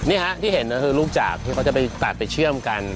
นี่ฮะที่เห็นก็คือลูกจากที่เขาจะไปตัดไปเชื่อมกัน